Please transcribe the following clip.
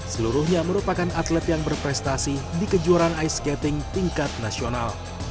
seluruhnya merupakan atlet yang berprestasi di kejuaraan ice skating tingkat nasional